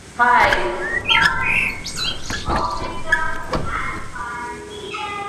In honour of his great integrity and Learning.